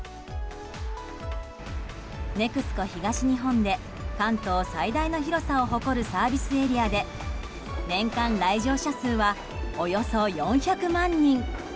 ＮＥＸＣＯ東日本で関東最大の広さを誇るサービスエリアで年間来場者数はおよそ４００万人。